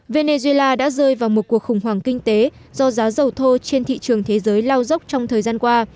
venezuela đã rơi vào một cuộc khủng hoảng kinh tế do giá dầu thô trên thị trường thế giới lao dốc trong thời gian qua